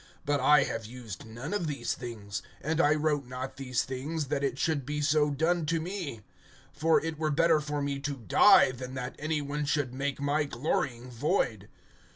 (15)But I have used none of these things; and I wrote not these things, that it should be so done to me; for it were better for me to die, than that any one should make my glorying void.